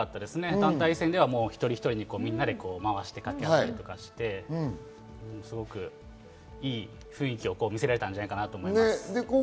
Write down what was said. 団体戦では一人一人みんなでまわして掛け合ったりしてすごくいい雰囲気を見せられたんじゃないかなと思います。